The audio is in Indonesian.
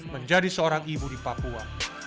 menjadi seorang ibu di papua